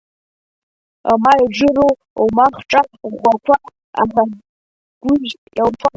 Ма иџыру умахәҿа ӷәӷәақәа аҳәагәыжь иаурфома?